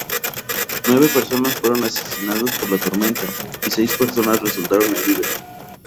Nueve personas fueron asesinadas por la tormenta, y seis personas resultaron heridas.